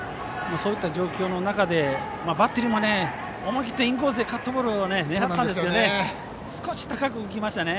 そういった状況の中でバッテリーも思い切ってインコースでカットボールを狙ったんですけどね。